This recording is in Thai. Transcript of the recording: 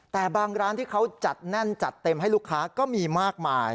แต่บางร้านที่เขาจัดแน่นจัดเต็มให้ลูกค้าก็มีมากมาย